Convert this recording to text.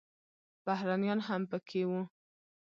بهرنیان هم پکې وو.